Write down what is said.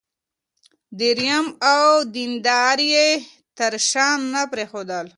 درهم او دینار یې تر شا نه پرېښودل.